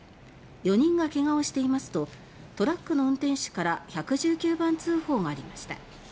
４人が怪我をしています」とトラックの運転手から１１９番通報がありました。